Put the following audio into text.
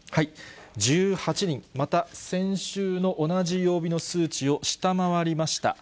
１８人、また先週の同じ曜日の数値を下回りました。